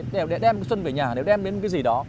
đem cái xuân về nhà đều đem đến cái gì đó